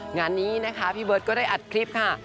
งานนี้นะคะพี่เบิร์ตก็ได้อัดคลิปค่ะ